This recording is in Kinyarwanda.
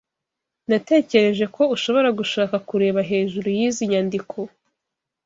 Natekereje ko ushobora gushaka kureba hejuru yizi nyandiko.